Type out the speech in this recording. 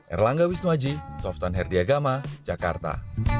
erlangga wisnuaji softan herdiagama jakarta